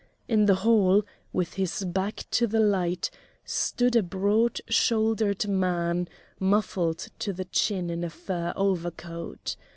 In the hall, with his back to the light, stood a broad shouldered man muffled to the chin in a fur overcoat.